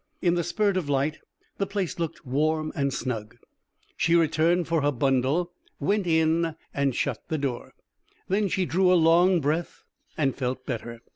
In the spurt of light the place looked warm and snug. She returned for her bundle, went in and shut the door. Then she drew a long breath and felt better.